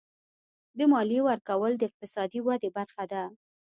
د مالیې ورکول د اقتصادي ودې برخه ده.